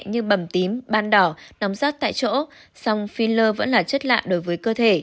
như bầm tím ban đỏ nóng rác tại chỗ xong filler vẫn là chất lạ đối với cơ thể